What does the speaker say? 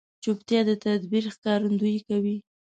چوپتیا، د تدبیر ښکارندویي کوي.